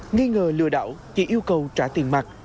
nghi ngờ lừa đảo chị yêu cầu trả tiền mặt